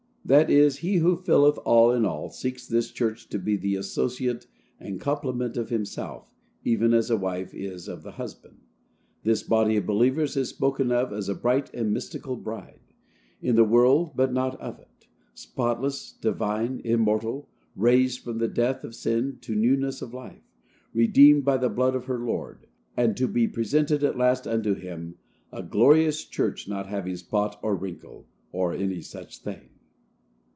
That is, He who filleth all in all seeks this church to be the associate and complement of himself, even as a wife is of the husband. This body of believers is spoken of as a bright and mystical bride, in the world, but not of it; spotless, divine, immortal, raised from the death of sin to newness of life, redeemed by the blood of her Lord, and to be presented at last unto him, a glorious church, not having spot or wrinkle, or any such thing.